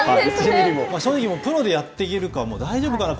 正直、プロでやっていけるか、大丈夫かな